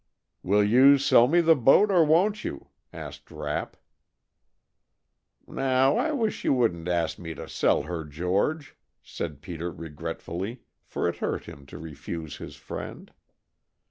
"Will you sell me the boat, or won't you?" asked Rapp. "Now, I wish you wouldn't ask me to sell her, George," said Peter regretfully, for it hurt him to refuse his friend.